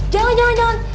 jangan jangan jangan